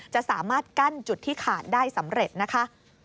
จะสามารถกั้นจุดที่ขาดได้สำเร็จนะคะ